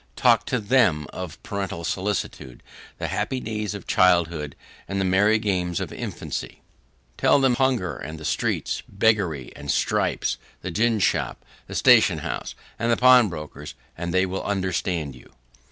Talk to THEM of parental solicitude, the happy days of childhood, and the merry games of infancy! Tell them of hunger and the streets, beggary and stripes, the gin shop, the station house, and the pawnbroker's, and they will understand you.